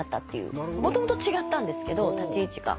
もともと違ったんですけど立ち位置が。